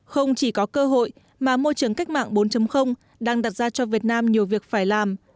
không chỉ có cơ hội mà môi trường cách mạng bốn đang đặt ra cho việt nam nhiều việc phải làm